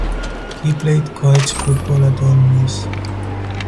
He played college football at Ole Miss.